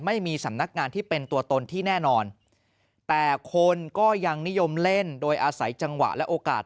ไม่มีสำนักงานที่เป็นตัวตนที่แน่นอนแต่คนก็ยังนิยมเล่นโดยอาศัยจังหวะและโอกาส